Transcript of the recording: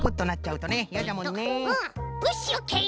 うっしオッケー！